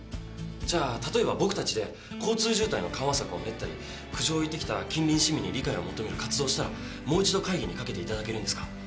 じゃあ例えば僕たちで交通渋滞の緩和策を練ったり苦情を言ってきた近隣市民に理解を求める活動をしたらもう一度会議にかけていただけるんですか？